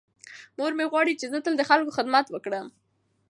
مور مې غواړي چې زه تل د خلکو خدمت وکړم.